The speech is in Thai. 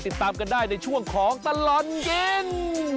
ติดตามกันได้ในช่วงของตลอดกิน